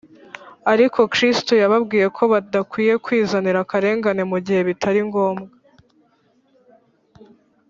” ariko kristo yababwiye ko badakwiriye kwizanira akarengane mu gihe bitari ngombwa